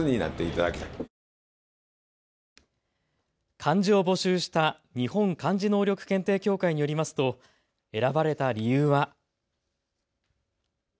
漢字を募集した日本漢字能力検定協会によりますと選ばれた理由は。